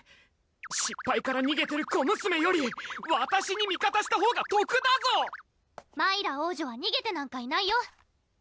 失敗からにげてる小娘よりわたしに味方したほうが得だぞマイラ王女はにげてなんかいないよ